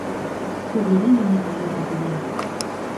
Sobrevino otra guerra civil.